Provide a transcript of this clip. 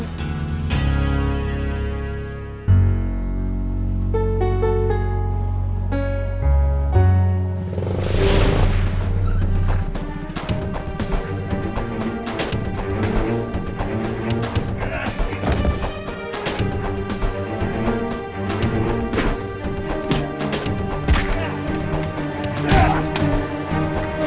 terima kasih komandan